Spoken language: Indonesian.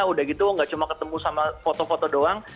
udah gitu gak cuma ketemu sama foto foto doang